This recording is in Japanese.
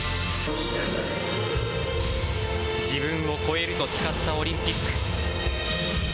自分を超えると誓ったオリンピック。